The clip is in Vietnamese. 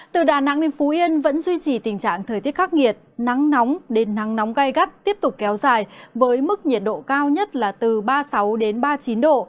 từ đà nẵng đến phú yên vẫn duy trì tình trạng thời tiết khắc nghiệt nắng nóng đến nắng nóng gai gắt tiếp tục kéo dài với mức nhiệt độ cao nhất là từ ba mươi sáu ba mươi chín độ